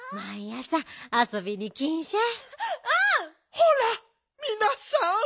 ほらみなさん